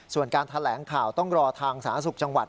ส่วนการแถลงข่าวต้องรอทางสาธารณสุขจังหวัด